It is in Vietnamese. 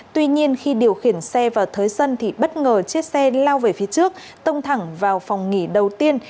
tuy nhiên khi điều khiển xe vào thới sân thì bất ngờ chiếc xe lao về phía trước tông thẳng vào phòng nghỉ đầu tiên